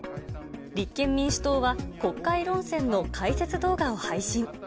立憲民主党は国会論戦の解説動画を配信。